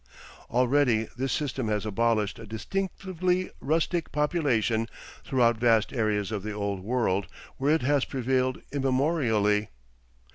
Already this system has abolished a distinctively 'rustic' population throughout vast areas of the old world, where it has prevailed immemorially.